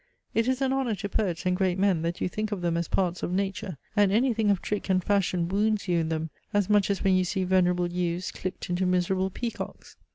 It is an honour to poets and great men, that you think of them as parts of nature; and anything of trick and fashion wounds you in them, as much as when you see venerable yews clipped into miserable peacocks.